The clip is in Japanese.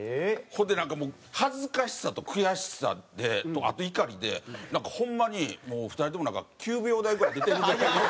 ほんでなんかもう恥ずかしさと悔しさであと怒りでなんかホンマにもう２人とも９秒台ぐらい出てるぐらいの。